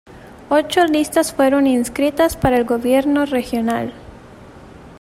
Ocho listas fueron inscritas para el gobierno regional.